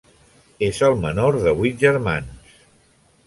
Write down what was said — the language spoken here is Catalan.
És el menor de vuit germans.